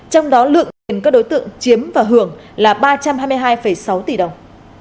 trong đó lượng tiền các đối tượng chiếm và hưởng là ba trăm hai mươi hai sáu tỷ đồng